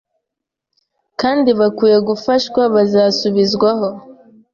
kandi bakwiye gufashwa bazasubizwaho.